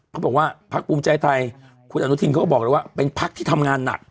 เขาบอกว่าพักภูมิใจไทยคุณอนุทินเขาก็บอกเลยว่าเป็นพักที่ทำงานหนัก